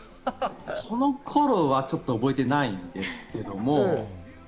その頃はちょっと覚えてないんですけど。